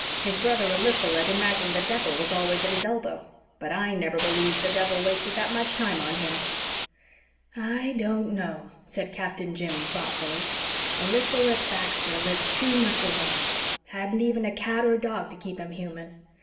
His brother Eliphalet imagined the devil was always at his elbow but I never believed the devil wasted that much time on him." "I don't know," said Captain Jim thoughtfully. "Eliphalet Baxter lived too much alone hadn't even a cat or dog to keep him human.